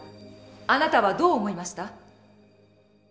あなたはどう思いました？